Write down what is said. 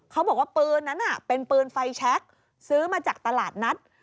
เขาบอกว่าปืนนั้นเป็นปืนไฟแชคซื้อมาจากตลาดนัด